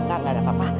gak ada apa apa